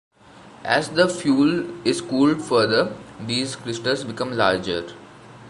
As the fuel is cooled further these crystals become larger.